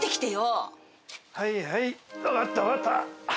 はいはい分かった分かった。